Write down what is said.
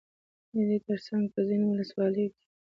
ددې ترڅنگ په ځينو ولسواليو كې